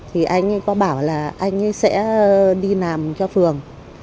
thì anh ấy có bảo là anh ấy sẽ đi làm cho phường